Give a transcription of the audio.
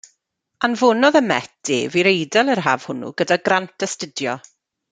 Anfonodd y Met ef i'r Eidal yr haf hwnnw gyda grant astudio.